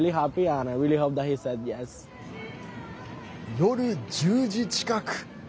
夜１０時近く。